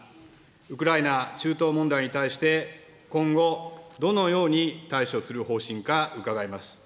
ウクライナ、中東問題に対して今後、どのように対処する方針か伺います。